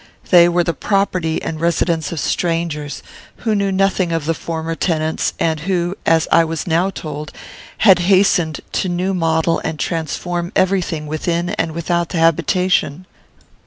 They were the property and residence of strangers, who knew nothing of the former tenants, and who, as I was now told, had hastened to new model and transform every thing within and without the habitation.